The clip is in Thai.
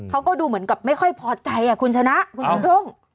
เขาก็ดูเหมือนกับไม่ค่อยพอใจคุณชนะคุณจูด้ง